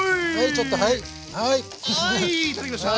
はいいただきました！